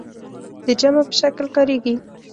د جمع په شکل کاریږي.